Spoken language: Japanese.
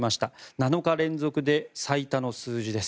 ７日連続で最多の数字です。